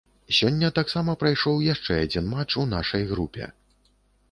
Сёння таксама прайшоў яшчэ адзін матч у нашай групе.